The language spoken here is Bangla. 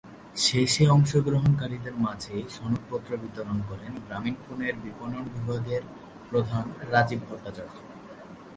শেষে অংশগ্রহণকারীদের মাঝে সনদপত্র বিতরণ করেন গ্রামীণফোনের বিপণন বিভাগের প্রধান রাজীব ভট্টাচার্য।